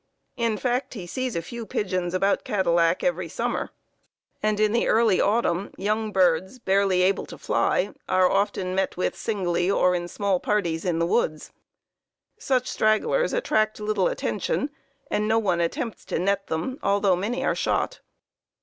In fact, he sees a few pigeons about Cadillac every summer, and in the early autumn young birds, barely able to fly, are often met with singly or in small parties in the woods. Such stragglers attract little attention, and no one attempts to net them, although many are shot.